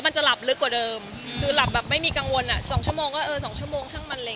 มันจะหลับลึกกว่าเดิมคือหลับแบบไม่มีกังวลอ่ะ๒ชั่วโมงก็เออ๒ชั่วโมงช่างมันเร็